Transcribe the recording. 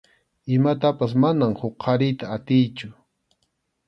Imatapas manam huqariyta atiychu.